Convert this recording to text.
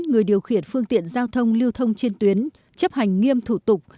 người điều khiển phương tiện giao thông lưu thông trên tuyến chấp hành nghiêm thủ tục